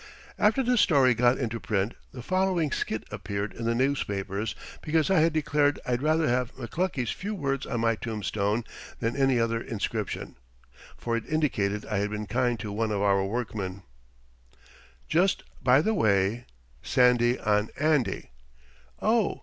After this story got into print, the following skit appeared in the newspapers because I had declared I'd rather have McLuckie's few words on my tombstone than any other inscription, for it indicated I had been kind to one of our workmen: "JUST BY THE WAY" SANDY ON ANDY Oh!